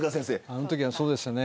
あのときはそうでしたね。